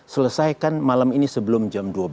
selesaikan malam ini sebelum jam dua belas